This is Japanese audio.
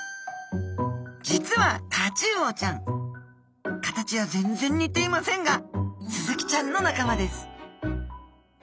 実はタチウオちゃん形は全然似ていませんがスズキちゃんの仲間です